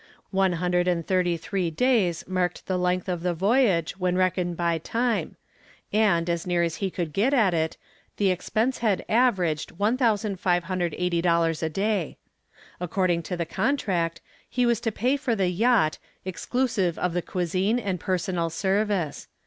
One hundred and thirty three days marked the length of the voyage when reckoned by time and, as near as he could get at it, the expense had averaged $1,580 a day. According to the contract, he was to pay for the yacht, exclusive of the cuisine and personal service.